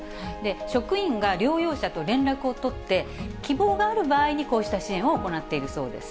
職員が療養者と連絡を取って、希望がある場合に、こうした支援を行っているそうです。